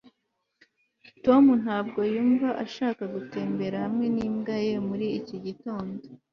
tom ntabwo yumva ashaka gutembera hamwe n'imbwa ye muri iki gitondo